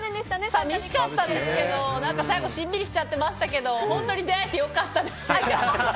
寂しかったですけど最後しんみりしちゃってましたけど本当に出会えて良かったです。